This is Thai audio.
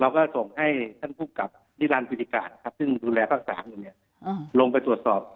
เราก็ส่งให้ท่านผู้กับนิรันดิ์พิธิการซึ่งดูแลภาคศาลลงไปตรวจสอบ